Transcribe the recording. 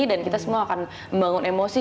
dan kita semua akan membangun emosi